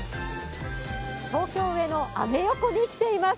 東京・上野、アメ横に来ています。